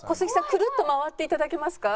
くるっと回って頂けますか？